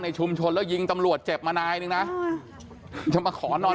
ในชุมชนแล้วยิงตำรวจเจ็บมาไหนหนึ่งนะว่าจะมาขอนอน